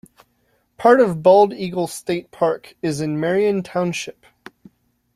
Part of Bald Eagle State Park is in Marion Township.